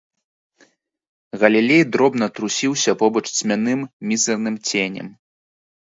Галілей дробна трусіўся побач цьмяным мізэрным ценем.